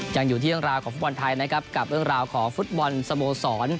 ยังอยู่ที่เรื่องราวของฟุตบอลไทยนะครับกับเรื่องราวของฟุตบอลสโมสร